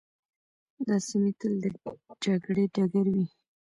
دا سیمي تل د جګړې ډګر وې.